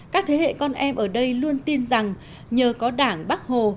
các thế hệ con em ở đây luôn tin rằng nhờ có đảng bắc hồ